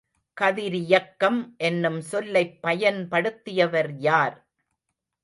கதிரியக்கம் என்னும் சொல்லைப் பயன்படுத்தியவர் யார்?